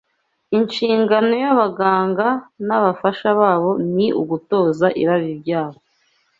Inshingano y’abaganga n’abafasha babo ni ugutoza irari ryabo